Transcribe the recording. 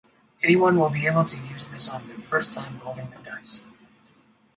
anyone will be able to use this on their first time rolling the dice